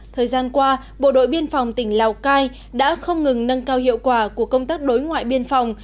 thời gian qua bộ đội biên phòng tỉnh lào cai đã không ngừng nâng cao hiệu quả của công tác đối ngoại biên phòng